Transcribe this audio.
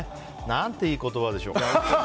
何ていい言葉でしょう。